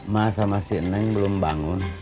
masa masih neng belum bangun